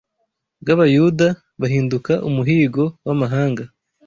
bw’Abayuda buhinduka umuhīgo w’amahanga